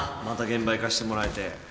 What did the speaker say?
また現場行かせてもらえて